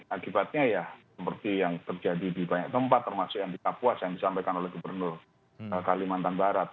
akibatnya ya seperti yang terjadi di banyak tempat termasuk yang di kapuas yang disampaikan oleh gubernur kalimantan barat